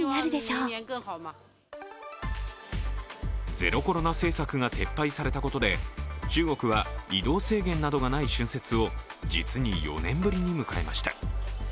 ゼロコロナ政策が撤廃されたことで、中国は移動制限がない春節を実に４年ぶりに迎えました。